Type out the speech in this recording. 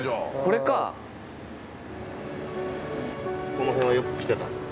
この辺はよく来てたんですか？